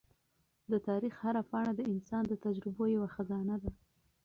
د تاریخ هره پاڼه د انسان د تجربو یوه خزانه ده.